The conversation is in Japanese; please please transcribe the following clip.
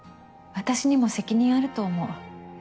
私にも責任あると思う。